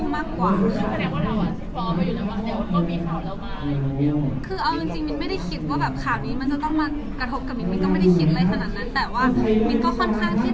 มินก็ไม่ได้คิดอะไรขนาดนั้น